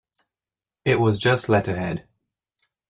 It was just letterhead.